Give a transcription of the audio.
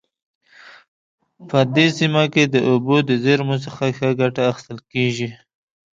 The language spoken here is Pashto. په دې سیمه کې د اوبو د زیرمو څخه ښه ګټه اخیستل کیږي